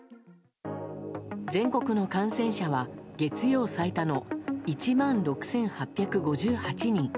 全国の感染者は月曜最多の１万６８５８人。